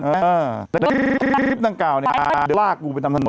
แต่คลิปดังกล่าวเนี่ยลากงูไปตามถนน